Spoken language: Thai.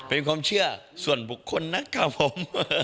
เป็นความเชื่อส่วนบุคคลนะครับผม